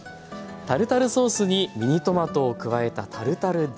タルタルソースにミニトマトを加えたタルタルディップ。